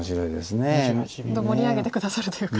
本当盛り上げて下さるというか。